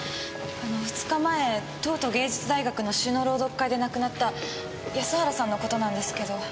あの二日前東都芸術大学の詩の朗読会で亡くなった安原さんのことなんですけど。